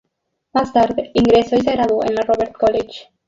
Más tarde, ingresó y se graduó en la Robert College.